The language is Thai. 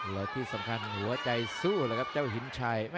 แล้วที่สำคัญหัวใจสู้แล้วครับเจ้าหินชัย